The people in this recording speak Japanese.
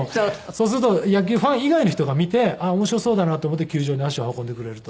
そうすると野球ファン以外の人が見てあっ面白そうだなと思って球場に足を運んでくれると。